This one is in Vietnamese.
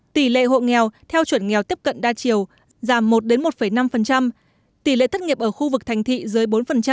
tỷ lệ hộ nghèo theo chuẩn nghèo tiếp cận đa chiều giảm một đến một năm tỷ lệ thất nghiệp ở khu vực thành thị dưới bốn